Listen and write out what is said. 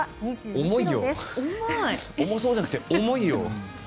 重そうじゃなくて重いよ。